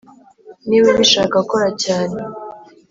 niba ubishaka, kora cyane